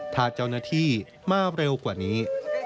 ถ้าเจ้าหน้าที่มาเร็วกว่านี้